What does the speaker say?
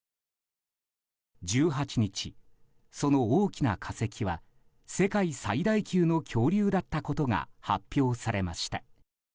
１８日、その大きな化石は世界最大級の恐竜だったことが発表されました。